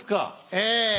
ええ。